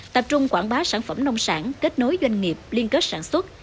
tập trung quảng bá sản phẩm nông sản kết nối doanh nghiệp liên kết sản xuất